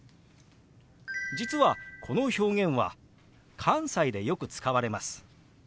実はこの表現は関西でよく使われます。